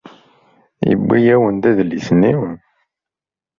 Yewwi-awen-d adlis-nni.